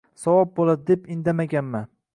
Savob bo`ladi, deb indamaganman